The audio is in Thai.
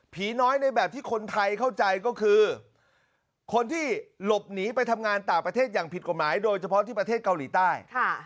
น้อยในแบบที่คนไทยเข้าใจก็คือคนที่หลบหนีไปทำงานต่างประเทศอย่างผิดกฎหมายโดยเฉพาะที่ประเทศเกาหลีใต้